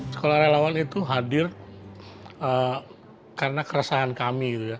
sekolah relawan itu hadir karena keresahan kami